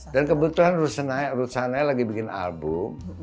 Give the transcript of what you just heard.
dan kebetulan ruth sanaya lagi bikin album